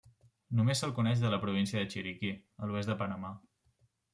Només se'l coneix de la província de Chiriquí, a l'oest del Panamà.